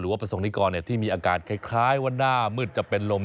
หรือว่าประสงค์นี้ก่อนที่มีอากาศคล้ายว่าหน้ามืดจะเป็นลม